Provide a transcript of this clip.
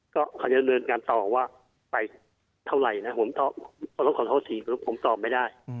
ก็เขาจะเรียนการตอบว่าไปเท่าไหร่นะผมตอบไม่ได้